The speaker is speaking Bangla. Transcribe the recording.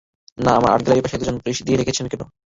না আমার আর্ট গ্যালারির পাশে দুজন পুলিশ দিয়ে রেখেছেন কেন?